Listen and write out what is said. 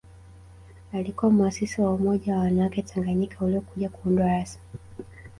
Alikuwa muasisi wa Umoja wa wanawake Tanganyika uliokuja kuundwa rasmi